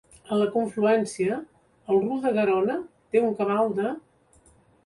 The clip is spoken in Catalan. A la confluència, el Ruda-Garona té un cabal de